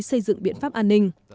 xây dựng biện pháp an ninh